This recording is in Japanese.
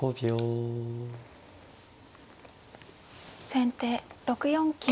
先手６四金。